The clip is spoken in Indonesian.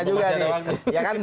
ini perlu kita luruskan